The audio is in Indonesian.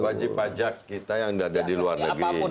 wajib pajak kita yang ada di luar negeri